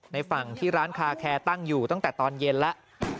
ในฝั่งที่ร้านคาแคร์ตั้งอยู่ตั้งแต่ตอนเย็นแล้ว